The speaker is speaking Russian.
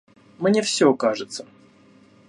Мне все кажется.